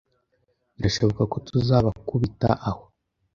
Birashoboka ko tuzabakubita aho.